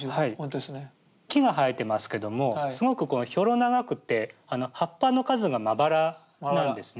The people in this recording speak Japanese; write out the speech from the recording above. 木が生えてますけどもすごくこうひょろ長くて葉っぱの数がまばらなんですね。